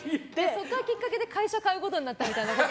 そこがきっかけで会社買うことになったみたいな。